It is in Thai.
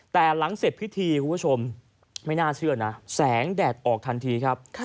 แต่หลังเสร็จพิธีคุณผู้ชมไม่น่าเชื่อนะแสงแดดออกทันทีครับ